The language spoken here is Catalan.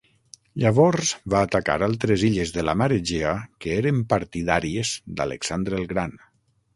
Llavors va atacar altres illes de la mar Egea que eren partidàries d'Alexandre el Gran.